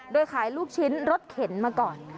โดยขายลูกชิ้นรถเข็นมาก่อน